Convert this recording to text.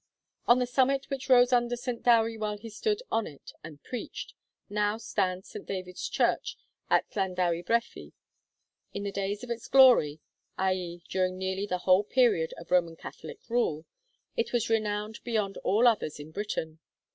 On the summit which rose under St. Dewi while he stood on it and preached, now stands St. David's church, at Llandewi Brefi. In the days of its glory i.e. during nearly the whole period of Roman Catholic rule it was renowned beyond all others in Britain.